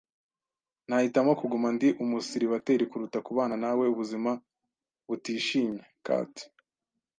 Nahitamo kuguma ndi umuseribateri kuruta kubana na we ubuzima butishimye. (Kat)